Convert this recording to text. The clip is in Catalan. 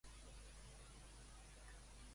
Què havia rebutjat definitivament la Loreto?